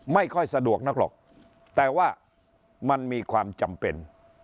ไม่ค่อยสะดวกนักหรอกแต่ว่ามันมีความจำเป็น